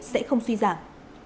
sẽ không suy giảm